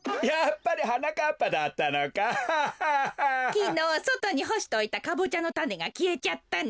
きのうそとにほしといたカボチャのタネがきえちゃったの。